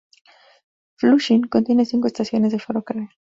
Flushing contiene cinco estaciones de ferrocarril.